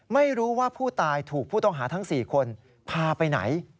ไม่รู้ว่าผู้ตายถูกผู้ต้องหาทั้ง๔คนพาไปไหน